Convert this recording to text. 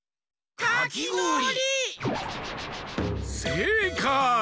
せいかい！